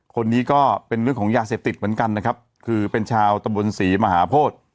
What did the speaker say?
คนนี้ก็เป็นเรื่องของยาเสพติดเหมือนกันนะครับคือเป็นชาวตะบนศรีมหาโพธิ